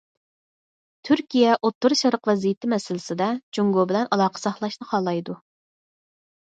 تۈركىيە ئوتتۇرا شەرق ۋەزىيىتى مەسىلىسىدە جۇڭگو بىلەن ئالاقە ساقلاشنى خالايدۇ.